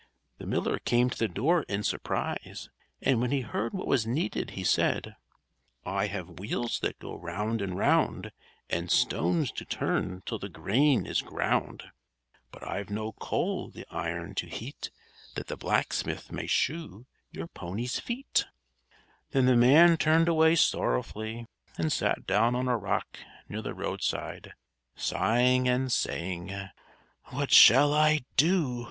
The miller came to the door in surprise; and when he heard what was needed, he said: "_I have wheels that go round and round, And stones to turn till the grain is ground, But I've no coal the iron to heat, That the blacksmith may shoe your pony's feet_." [Illustration: When she came near the man she stopped to ask him his trouble.] Then the man turned away sorrowfully and sat down on a rock near the roadside, sighing and saying: "_What shall I do?